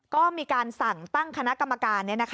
ก็มีการสั่งตั้งคณะกรรมการ